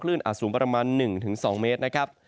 คลื่นอัดสูงประมาณ๑๒เมตร